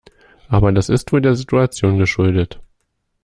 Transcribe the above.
Aber das ist wohl der Situation geschuldet.